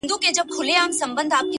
• زما لمسیو کړوسیو ته پاتیږي ,